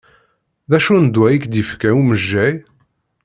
D acu n ddwa i k-d-ifka umejjay?